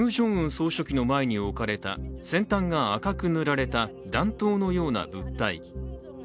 総書記の前に置かれた先端が赤く塗られた弾頭のような物体。